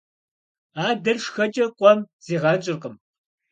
Адэр шхэкӀэ къуэм зигъэнщӀыркъым.